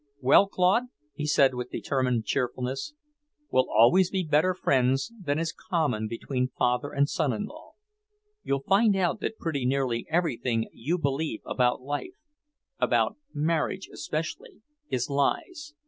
"Well, Claude," he said with determined cheerfulness, "we'll always be better friends than is common between father and son in law. You'll find out that pretty nearly everything you believe about life about marriage, especially is lies.